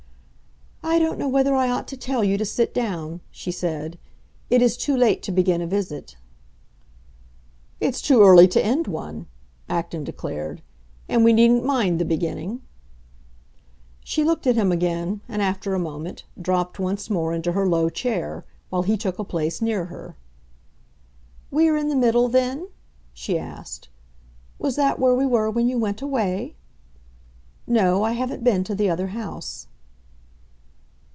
"I don't know whether I ought to tell you to sit down," she said. "It is too late to begin a visit." "It's too early to end one," Acton declared; "and we needn't mind the beginning." She looked at him again, and, after a moment, dropped once more into her low chair, while he took a place near her. "We are in the middle, then?" she asked. "Was that where we were when you went away? No, I haven't been to the other house."